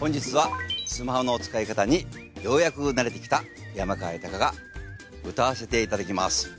本日はスマホの使い方にようやく慣れてきた山川豊が歌わせていただきます。